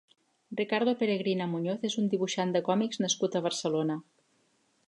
Ricardo Peregrina Muñoz és un dibuixant de còmics nascut a Barcelona.